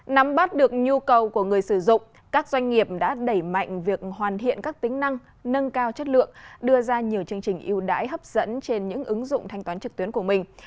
nắm bắt được nhu cầu của người sử dụng các doanh nghiệp đã đẩy mạnh việc hoàn thiện các tính năng nâng cao chất lượng đưa ra nhiều chương trình yêu đãi hấp dẫn trên những ứng dụng thanh toán trực tuyến của mình